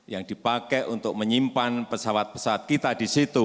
yang dipakai untuk menyimpan pesawat pesawat kita di situ